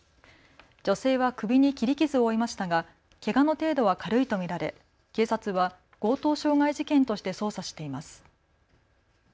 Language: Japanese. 女性は首に切り傷を負いましたがけがの程度は軽いと見られ警察は強盗傷害事件として捜査しています。